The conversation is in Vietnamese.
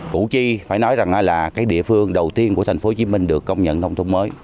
cụ chi phải nói rằng là cái địa phương đầu tiên của thành phố hồ chí minh được công nhận thông thông mới